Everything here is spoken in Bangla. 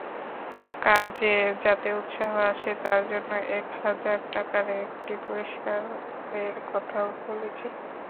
কাজে যাতে উৎসাহ আসে, তার জন্যে এক হাজার টাকার একটি পুরস্কারের কথাও বলেছেন।